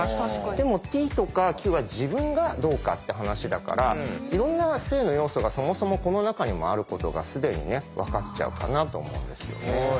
でもＴとかＱは自分がどうかって話だからいろんな性の要素がそもそもこの中にもあることが既にね分かっちゃうかなと思うんですよね。